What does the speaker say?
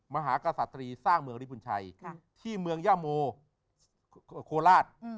มหากษัตรีสร้างเมืองริบุญชัยที่เมืองย่าโมโคราช